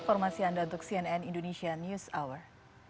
formasi anda untuk cnn indonesian news hour